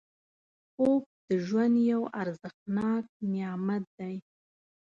خوب د ژوند یو ارزښتناک نعمت دی